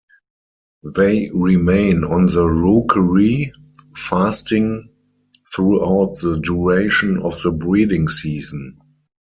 They remain on the rookery, fasting throughout the duration of the breeding season.